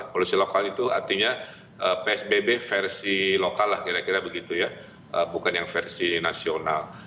polusi lokal itu artinya psbb versi lokal lah kira kira begitu ya bukan yang versi nasional